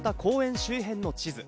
周辺の地図。